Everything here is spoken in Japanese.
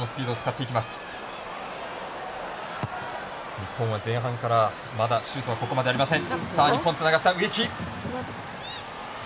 日本は前半からシュートはここまでありません。